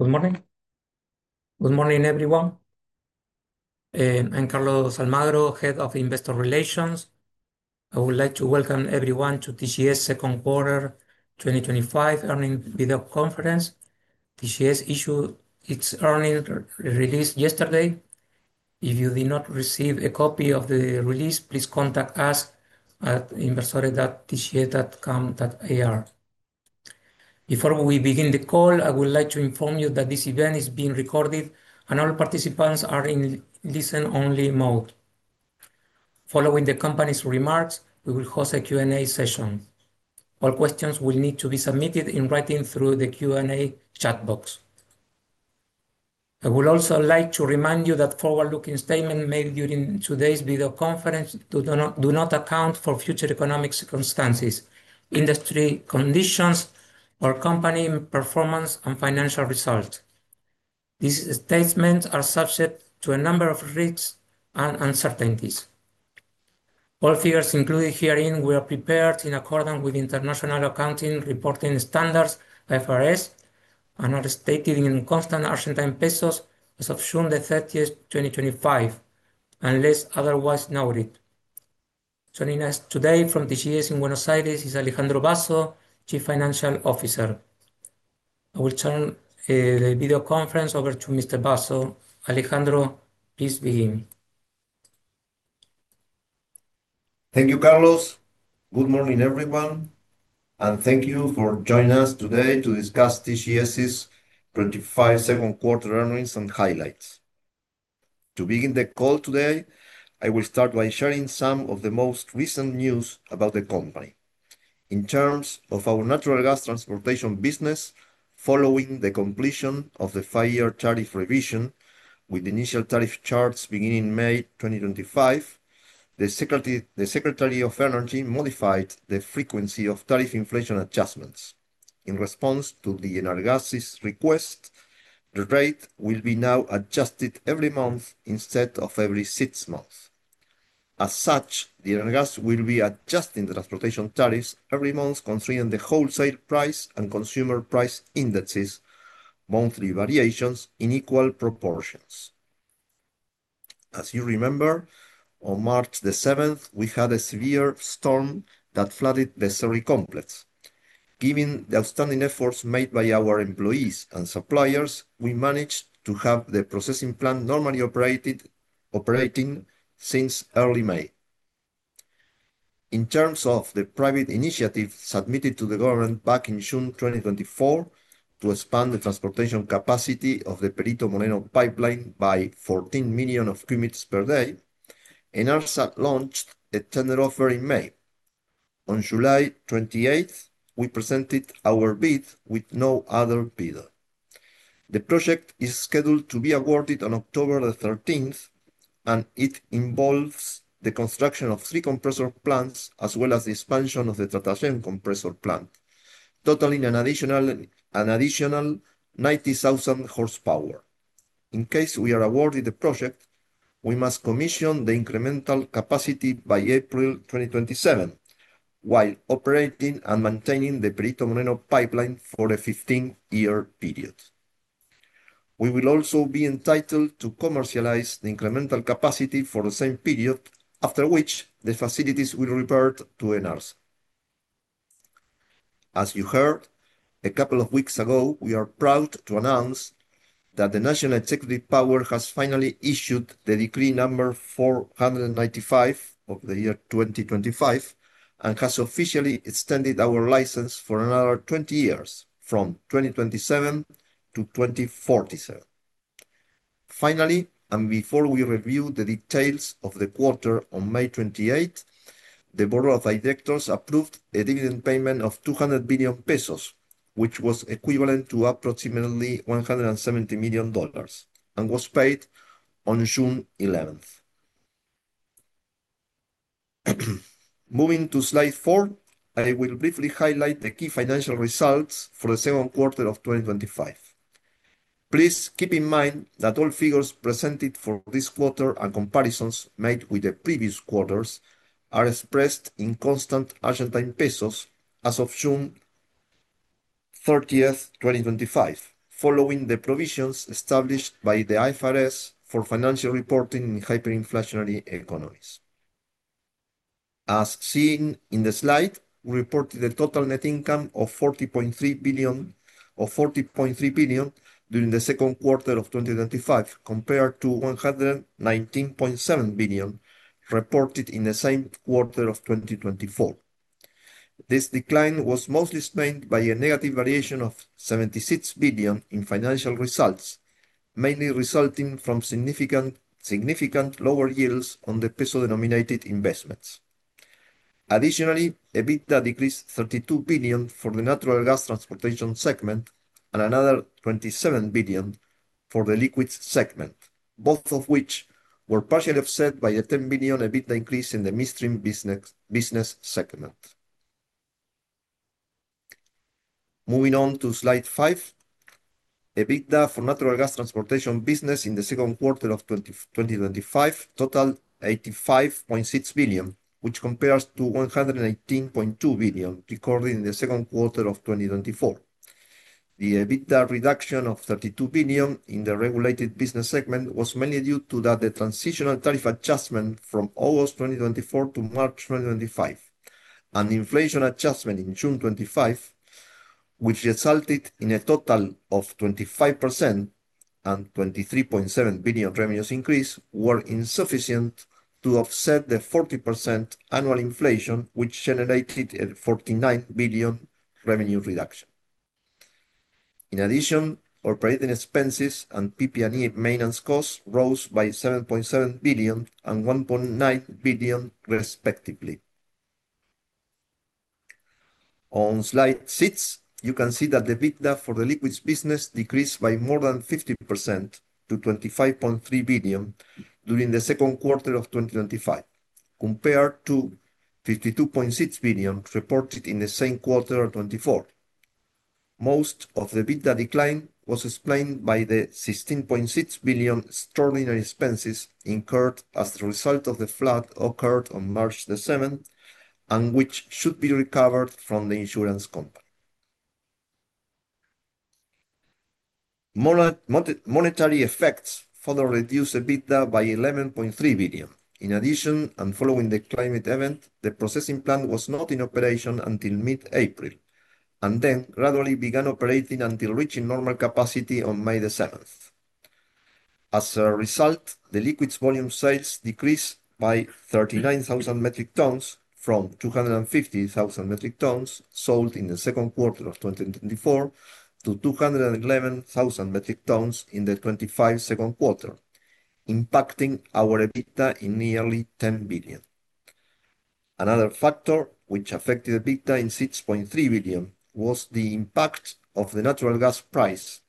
Good morning. Good morning, everyone. I'm Carlos Almagro, Head of Investor Relations. I would like to welcome everyone to TGS Second Quarter 2025 Earnings Video Conference. TGS issued its earnings release yesterday. If you did not receive a copy of the release, please contact us at investors.tgs.com.ar. Before we begin the call, I would like to inform you that this event is being recorded and all participants are in listen-only mode. Following the company's remarks, we will host a Q&A session. All questions will need to be submitted in writing through the Q&A chat box. I would also like to remind you that forward-looking statements made during today's video conference do not account for future economic circumstances, industry conditions, or company performance and financial results. These statements are subject to a number of risks and uncertainties. All figures included herein were prepared in accordance with International Financial Reporting Standards, IFRS, and are stated in constant Argentine pesos as of June 30th, 2025, unless otherwise noted. Joining us today from TGS in Buenos Aires is Alejandro Basso, Chief Financial Officer. I will turn the video conference over to Mr. Basso. Alejandro, please begin. Thank you, Carlos. Good morning, everyone, and thank you for joining us today to discuss TGS's 2025 second quarter earnings and highlights. To begin the call today, I will start by sharing some of the most recent news about the company. In terms of our natural gas transportation business, following the completion of the five-year tariff revision with initial tariff charts beginning May 2025, the Secretary of Energy modified the frequency of tariff inflation adjustments. In response to ENARGAS's request, the rate will now be adjusted every month instead of every six months. As such, ENARGAS will be adjusting the transportation tariffs every month, constraining the wholesale price and consumer price indexes' monthly variations in equal proportions. As you remember, on March 7th, we had a severe storm that flooded the SERI Complex. Given the outstanding efforts made by our employees and suppliers, we managed to have the processing plant normally operating since early May. In terms of the private initiative submitted to the government back in June 2024 to expand the transportation capacity of the Perito Moreno pipeline by 14 million cu m per day, ENARSA launched a tender offer in May. On July 28th, we presented our bid with no other bidder. The project is scheduled to be awarded on October the 13th, and it involves the construction of three compressor plants as well as the expansion of the Tratayén compressor plant, totaling an additional 90,000 horsepower. In case we are awarded the project, we must commission the incremental capacity by April 2027 while operating and maintaining the Perito Moreno pipeline for a 15-year period. We will also be entitled to commercialize the incremental capacity for the same period, after which the facilities will revert to ENARSA. As you heard a couple of weeks ago, we are proud to announce that the National Executive Power has finally issued Decree No. 495 of the year 2025 and has officially extended our license for another 20 years, from 2027-2047. Finally, before we review the details of the quarter, on May 28th, the Board of Directors approved a dividend payment of 200 billion pesos, which was equivalent to approximately $170 million, and was paid on June 11th. Moving to slide four, I will briefly highlight the key financial results for the second quarter of 2025. Please keep in mind that all figures presented for this quarter and comparisons made with the previous quarters are expressed in constant Argentine pesos as of June 30, 2025, following the provisions established by the IFRS for financial reporting in hyperinflationary economies. As seen in the slide, we reported a total net income of 40.3 billion during the second quarter of 2025, compared to 119.7 billion reported in the same quarter of 2024. This decline was mostly explained by a negative variation of 76 billion in financial results, mainly resulting from significantly lower yields on the peso-denominated investments. Additionally, EBITDA decreased 32 billion for the natural gas transportation segment and another 27 billion for the liquids segment, both of which were partially offset by a 10 billion EBITDA increase in the midstream business segment. Moving on to slide five, EBITDA for the natural gas transportation business in the second quarter of 2025 totaled 85.6 billion, which compares to 118.2 billion recorded in the second quarter of 2024. The EBITDA reduction of 32 billion in the regulated business segment was mainly due to the transitional tariff adjustment from August 2024-March 2025, and the inflation adjustment in June 25th, which resulted in a total of 25% and 23.7 billion revenues increase, were insufficient to offset the 40% annual inflation, which generated a 49 billion revenue reduction. In addition, operating expenses and PP&E maintenance costs rose by 7.7 billion and 1.9 billion, respectively. On slide six, you can see that the EBITDA for the liquids business decreased by more than 50% to 25.3 billion during the second quarter of 2025, compared to 52.6 billion reported in the same quarter of 2024. Most of the EBITDA decline was explained by the 16.6 billion extraordinary expenses incurred as a result of the flood occurred on March 7th, and which should be recovered from the insurance company. Monetary effects further reduced EBITDA by 11.3 billion. In addition, and following the climate event, the processing plant was not in operation until mid-April, and then gradually began operating until reaching normal capacity on May 7th. As a result, the liquids volume sales decreased by 39,000 metric tons from 250,000 metric tons sold in the second quarter of 2024 to 211,000 metric tons in the 2025 second quarter, impacting our EBITDA in nearly 10 billion. Another factor which affected EBITDA in $6.3 billion was the impact of the natural gas price,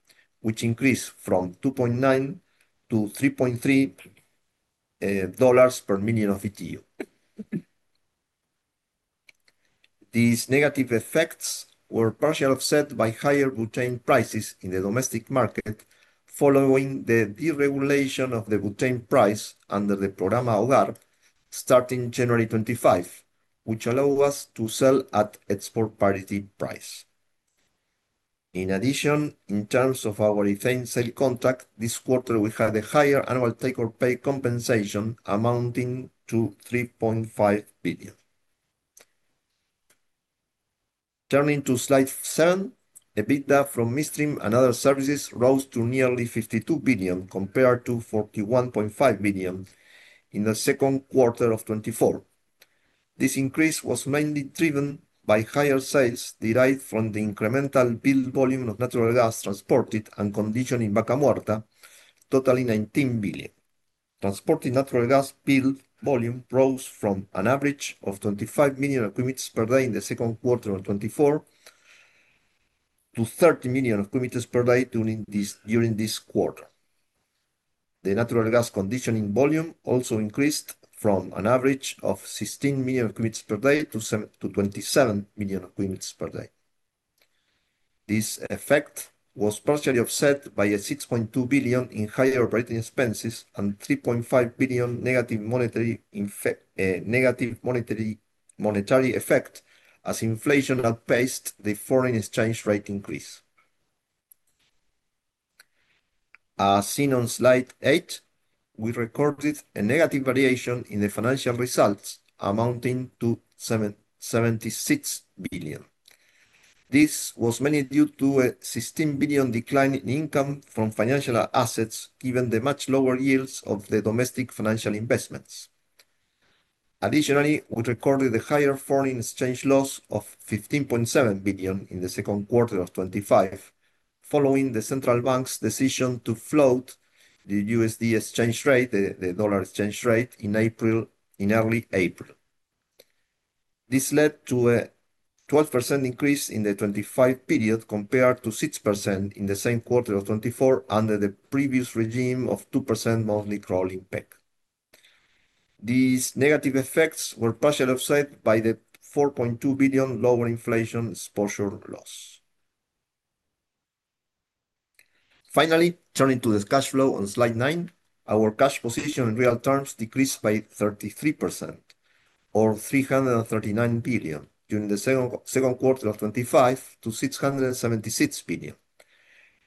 which increased from $2.9 to $3.3 per million BTU. These negative effects were partially offset by higher butane prices in the domestic market following the deregulation of the butane price under the Programa OGARP starting January 25, which allowed us to sell at export parity price. In addition, in terms of our ethane sale contract, this quarter we had a higher annual take-or-pay compensation amounting to $3.5 billion. Turning to slide seven, EBITDA from midstream and other services rose to nearly $52 billion, compared to $41.5 billion in the second quarter of 2024. This increase was mainly driven by higher sales derived from the incremental build volume of natural gas transported and conditioned in Vaca Muerta, totaling $19 billion. Transporting natural gas build volume rose from an average of 25 million cu m per day in the second quarter of 2024 to 30 million cu m per day during this quarter. The natural gas conditioning volume also increased from an average of 16 million cu m per day to 27 million cu m per day. This effect was partially offset by a $6.2 billion increase in operating expenses and $3.5 billion negative monetary effect as inflation outpaced the foreign exchange rate increase. As seen on slide eight, we recorded a negative variation in the financial results amounting to $76 billion. This was mainly due to a $16 billion decline in income from financial assets, given the much lower yields of the domestic financial investments. Additionally, we recorded a higher foreign exchange loss of $15.7 billion in the second quarter of 2025, following the Central Bank's decision to float the USD exchange rate, the dollar exchange rate in early April. This led to a 12% increase in the 2025 period compared to 6% in the same quarter of 2024 under the previous regime of 2% monthly crawling peg. These negative effects were partially offset by the $4.2 billion lower inflation exposure loss. Finally, turning to the cash flow on slide nine, our cash position in real terms decreased by 33%, or $339 billion, during the second quarter of 2025 to $676 billion,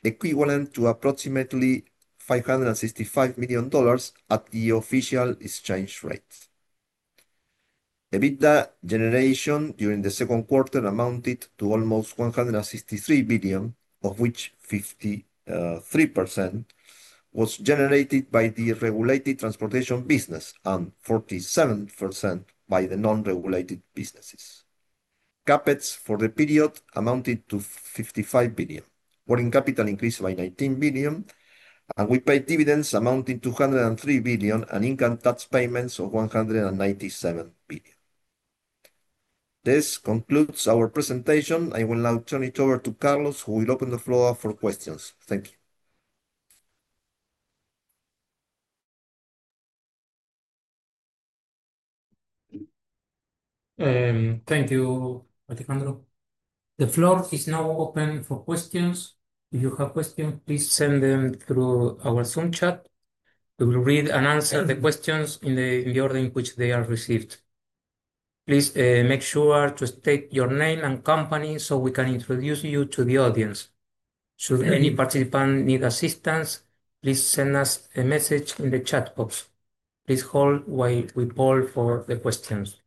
equivalent to approximately $565 million at the official exchange rate. EBITDA generation during the second quarter amounted to almost $163 billion, of which 53% was generated by the regulated transportation business and 47% by the non-regulated businesses. CapEx for the period amounted to 55 billion, working capital increased by 19 billion, and we paid dividends amounting to 103 billion and income tax payments of 197 billion. This concludes our presentation. I will now turn it over to Carlos, who will open the floor for questions. Thank you. Thank you, Alejandro. The floor is now open for questions. If you have questions, please send them through our Zoom chat. We will read and answer the questions in the order in which they are received. Please make sure to state your name and company so we can introduce you to the audience. Should any participant need assistance, please send us a message in the chat box. Please hold while we poll for the questions.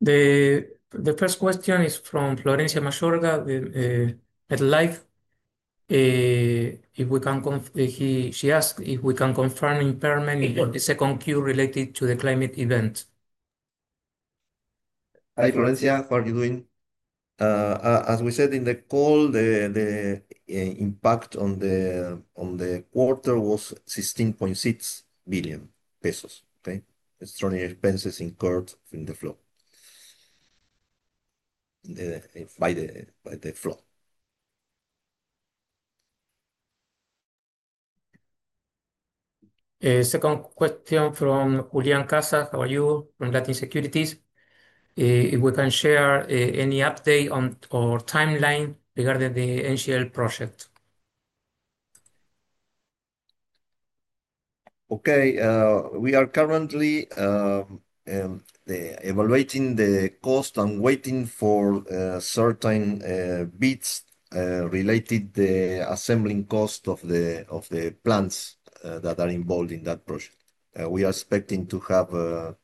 The first question is from Florencia Masjourga with MetLife.. She asked if we can confirm the impairment of the second queue related to the climate event. Hi, Florencia. How are you doing? As we said in the call, the impact on the quarter was 16.6 billion pesos, okay? Extraordinary expenses incurred by the flow. Second question from Julián Casas. How are you? From Latin Securities. If we can share any update on our timeline regarding the NGL project. Okay. We are currently evaluating the cost and waiting for certain bids related to the assembling cost of the plants that are involved in that project. We are expecting to have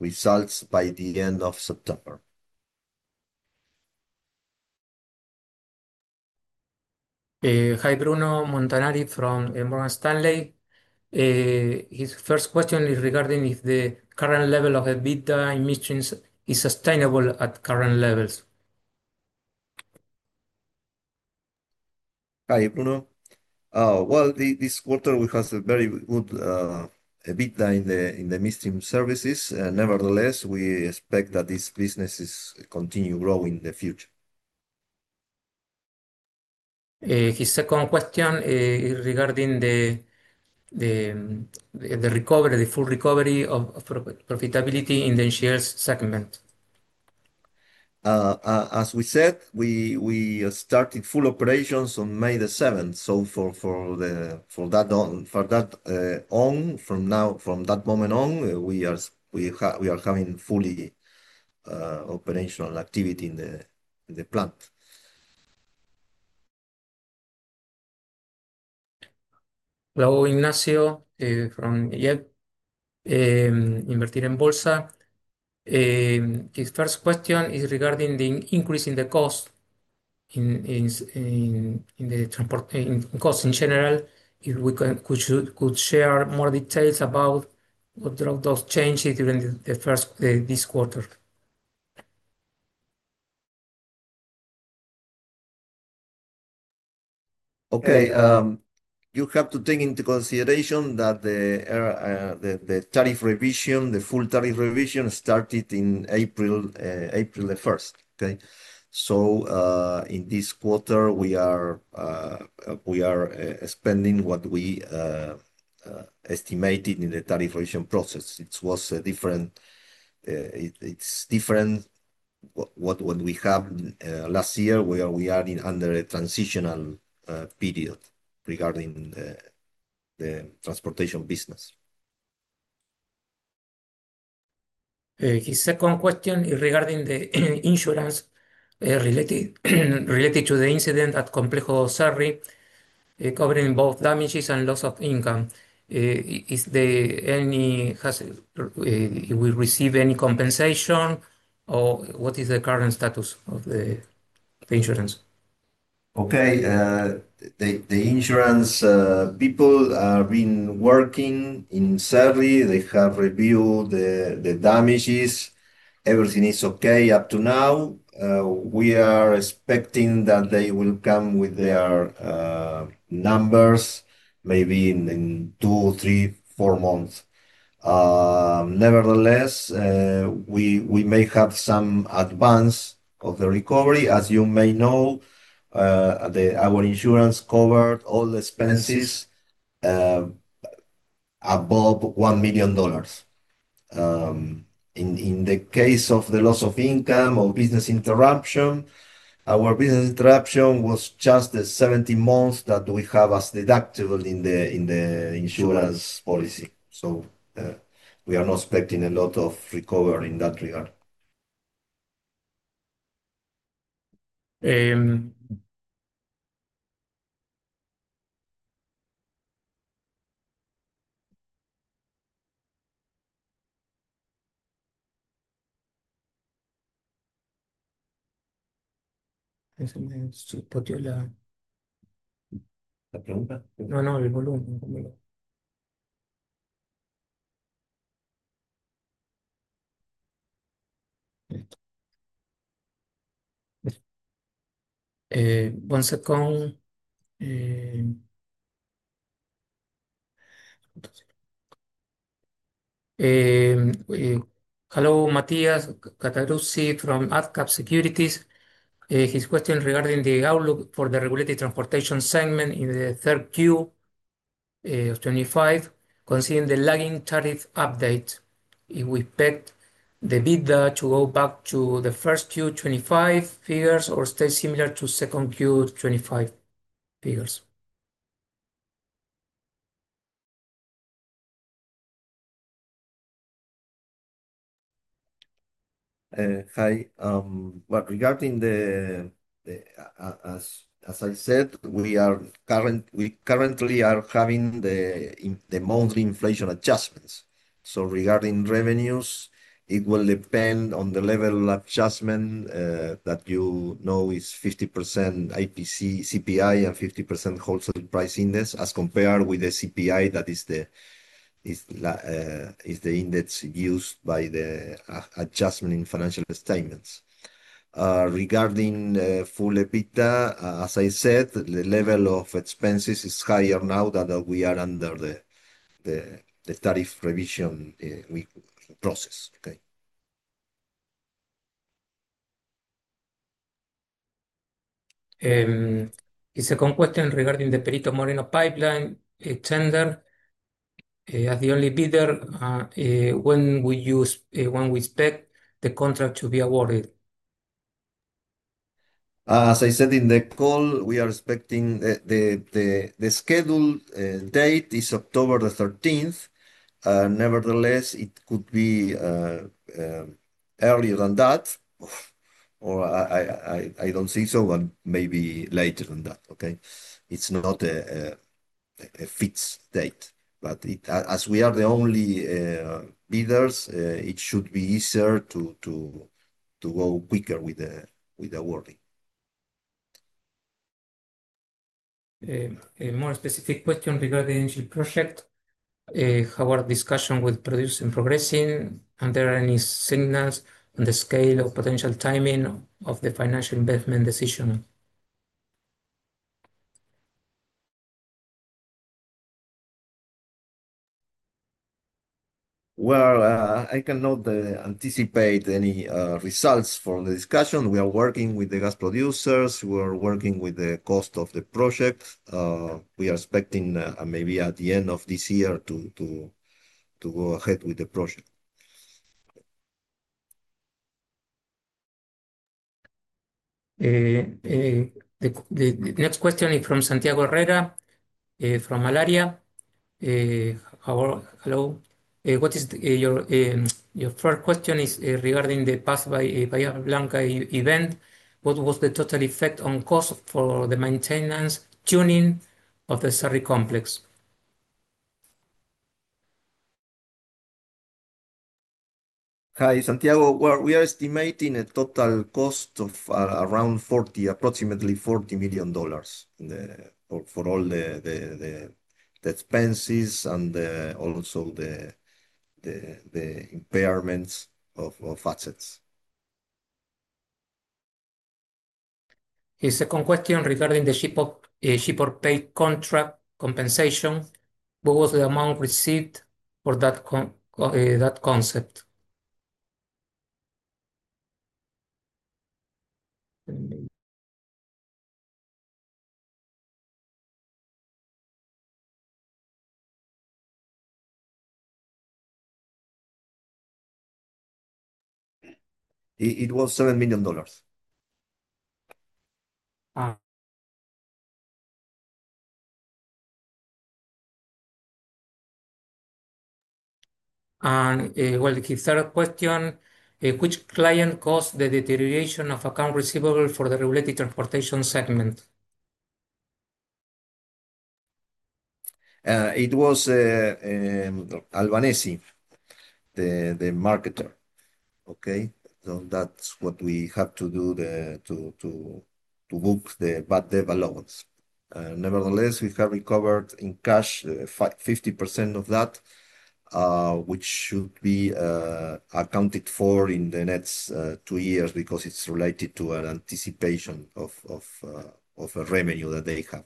results by the end of September. Hi, Bruno Montanari from Morgan Stanley. His first question is regarding if the current level of EBITDA in midstream services is sustainable at current levels. Hi, Bruno. This quarter we had a very good EBITDA in the midstream services. Nevertheless, we expect that this business continues to grow in the future. His second question is regarding the full recovery of profitability in the shares segment. As we said, we started full operations on May the 7th. From that moment on, we are having fully operational activity in the plant. Ignacio from Bertilion Bolsa. His first question is regarding the increase in the cost in general, if we could share more details about those changes during this quarter. Okay. You have to take into consideration that the full tariff revision started on April the 1st. In this quarter, we are spending what we estimated in the tariff revision process. It's different from what we had last year. We are under a transitional period regarding the transportation business. His second question is regarding the insurance related to the incident at Complejo Cerri covering both damages and loss of income. If we receive any compensation or what is the current status of the insurance? Okay. The insurance people have been working in Cerri. They have reviewed the damages. Everything is okay up to now. We are expecting that they will come with their numbers maybe in two, three, four months. Nevertheless, we may have some advance of the recovery. As you may know, our insurance covered all the expenses above $1 million. In the case of the loss of income or business interruption, our business interruption was just the 17 months that we have as deductible in the insurance policy. We are not expecting a lot of recovery in that regard. Hello, Matías Catarusi from Adcap Securities. His question is regarding the outlook for the regulated transportation segment in the third quarter of 2025, considering the lagging tariff update. If we expect the EBITDA to go back to the first quarter 2025 figures or stay similar to second quarter 2025 figures? Hi. Regarding the, as I said, we currently are having the monthly inflation adjustments. Regarding revenues, it will depend on the level of adjustment that you know is 50% IPC CPI and 50% wholesale price index as compared with the CPI that is the index used by the adjustment in financial statements. Regarding full EBITDA, as I said, the level of expenses is higher now that we are under the tariff revision process. His second question is regarding the Perito Moreno pipeline tender. As the only bidder, when we expect the contract to be awarded? As I said in the call, we are expecting the scheduled date is October the 13th. Nevertheless, it could be earlier than that, or I don't see so, but maybe later than that. It's not a fixed date. As we are the only bidders, it should be easier to go quicker with the wording. A more specific question regarding the NGL project. How are discussions with producers progressing, and are there any signals on the scale or potential timing of the financial investment decision? I cannot anticipate any results from the discussion. We are working with the gas producers, and we are working with the cost of the project. We are expecting maybe at the end of this year to go ahead with the project. The next question is from Santiago Herrera from Alaria. Hello. Your first question is regarding the Paz by Bahía Blanca event. What was the total effect on cost for the maintenance tuning of the SERI complex? Hi, Santiago. We are estimating a total cost of around $40 million for all the expenses and also the impairments of assets. His second question is regarding the shipper pay contract compensation. What was the amount received for that concept? It was $7 million. The third question, which client caused the deterioration of account receivable for the regulated transportation segment? It was Albanese, the marketer. That's what we had to do to book the bad debt allowance. Nevertheless, we have recovered in cash 50% of that, which should be accounted for in the next two years because it's related to an anticipation of a revenue that they have.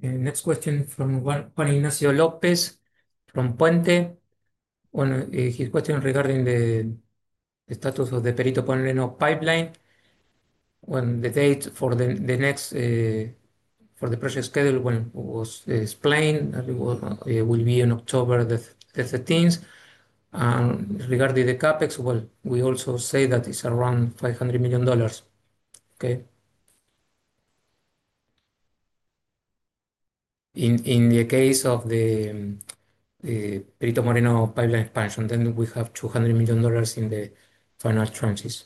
Next question from Juan Palinascio Lopez from Puente. His question is regarding the status of the Perito Moreno pipeline. The date for the next project schedule was explained. It will be on October 13th. Regarding the CapEx, it's around $500 million. In the case of the Perito Moreno pipeline expansion, we have $200 million in the financial transfers.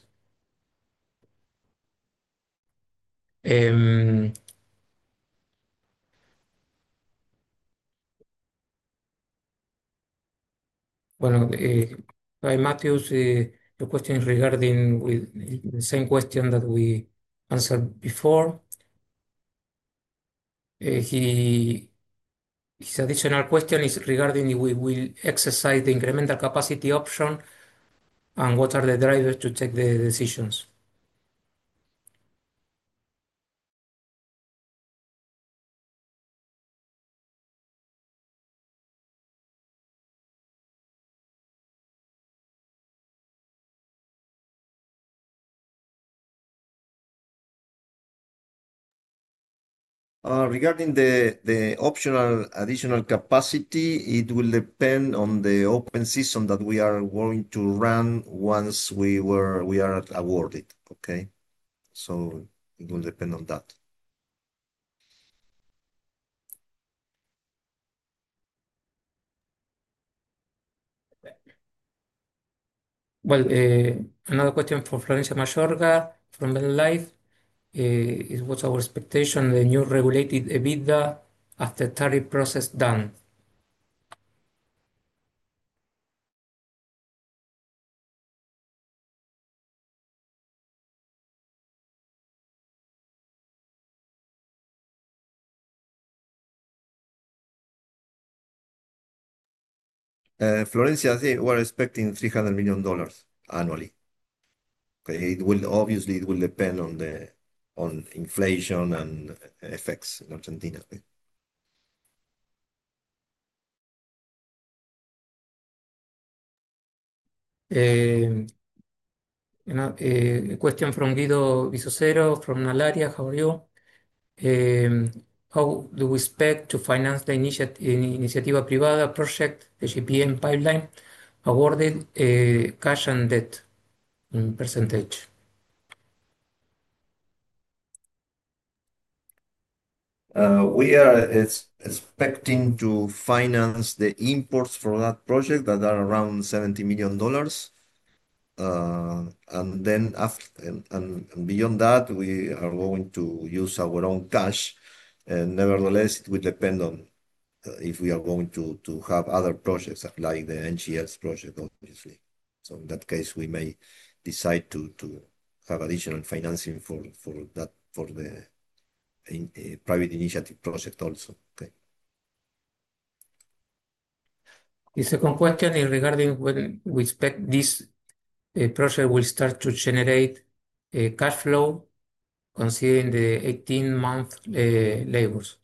By Matthews, the question is regarding the same question that we answered before. His additional question is regarding if we will exercise the incremental capacity option and what are the drivers to take the decisions. Regarding the optional additional capacity, it will depend on the open system that we are going to run once we are awarded. It will depend on that. Another question for Florencia Masjourga from MetLife. What's our expectation of the new regulated EBITDA after the tariff process is done? Florencia, I think we're expecting $300 million annually. It will obviously depend on inflation and FX dynamics in Argentina. A question from Guido Bizocero from Alaria. How do we expect to finance the Iniciativa Privada project, the GPM pipeline, awarded cash and debt in percentage? We are expecting to finance the imports for that project that are around $70 million. After, and beyond that, we are going to use our own cash. Nevertheless, it would depend on if we are going to have other projects like the NGL project, obviously. In that case, we may decide to have additional financing for that, for the private initiative project also. His second question is regarding when we expect this project will start to generate cash flow, considering the 18-month labels.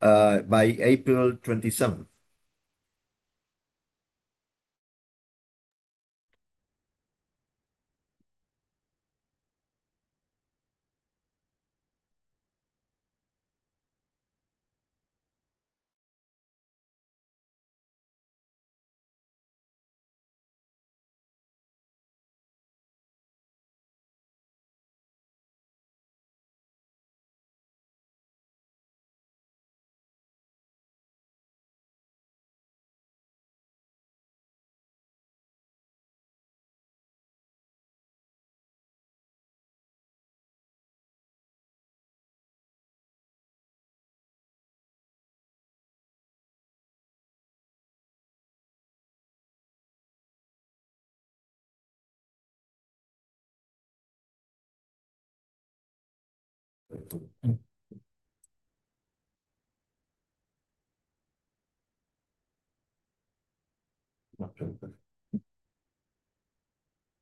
By April 27th.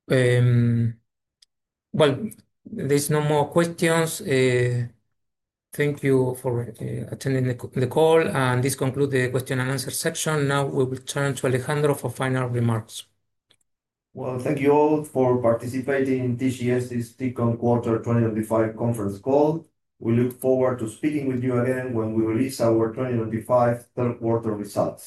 There are no more questions. Thank you for attending the call. This concludes the question and answer section. Now we will turn to Alejandro for final remarks. Thank you all for participating in TGS's Second Quarter 2025 Conference Call. We look forward to speaking with you again when we release our 2025 third quarter results.